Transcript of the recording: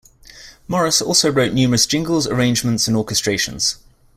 Morris also wrote numerous jingles, arrangements, and orchestrations.